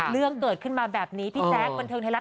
เรื่องเกิดขึ้นมาแบบนี้พี่แจ๊คบันเทิงไทยรัฐ